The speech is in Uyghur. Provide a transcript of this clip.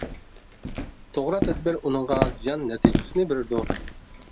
توغرا تەدبىر ئۇنىڭغا زىيان نەتىجىسىنى بېرىدۇ.